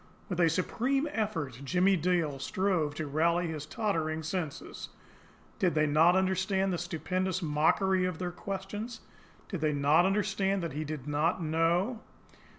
With a supreme effort, Jimmie Dale strove to rally his tottering senses. Did they not understand the stupendous mockery of their questions? Did they not understand that he did not know?